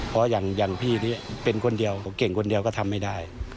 เพราะอย่างพี่นี้เป็นคนเดียวเขาเก่งคนเดียวก็ทำไม่ได้